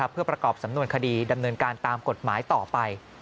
เพื่อประกอบสำนวนคดีดำเนินการตามกฎหมายต่อไป